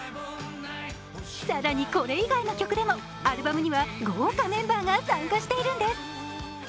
更にこれ以外の曲でもアルバムには豪華メンバーが参加しているんです。